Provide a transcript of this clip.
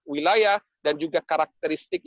wilayah dan juga karakteristik